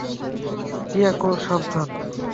Chiyoko, সাবধান!